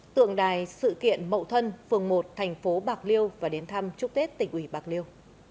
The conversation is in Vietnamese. tượng đài sự kiện mậu thân phường một thành phố bạc liêu và đến thăm chúc tết tỉnh ủy bạc liêu